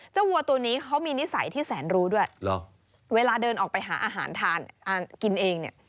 วัวตัวนี้เขามีนิสัยที่แสนรู้ด้วยเวลาเดินออกไปหาอาหารทานกินเองเนี่ย